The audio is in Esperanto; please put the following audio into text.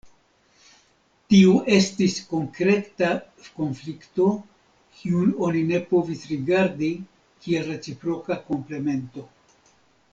Tiu estis konkreta konflikto, kiun oni ne povis rigardi kiel reciproka komplemento.